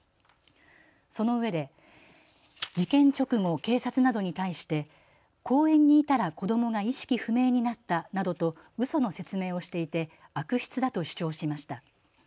そのうえで事件直後、警察などに対して公園にいたら子どもが意識不明になったなどと、うその説明をしていて悪質だと主張しました。